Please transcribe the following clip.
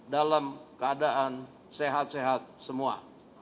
dalam keadaan sehat sehat semua